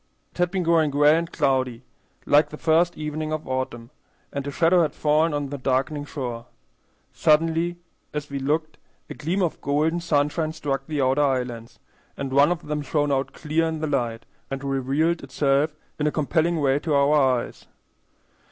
It had been growing gray and cloudy, like the first evening of autumn, and a shadow had fallen on the darkening shore. Suddenly, as we looked, a gleam of golden sunshine struck the outer islands, and one of them shone out clear in the light, and revealed itself in a compelling way to our eyes.